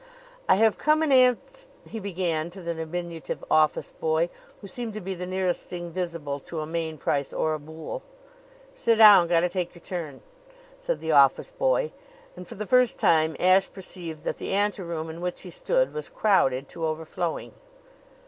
"I have come in ans " he began, to the diminutive office boy, who seemed to be the nearest thing visible to a Mainprice or a Boole. "Siddown. Gottatakeyerturn," said the office boy; and for the first time Ashe perceived that the ante room in which he stood was crowded to overflowing.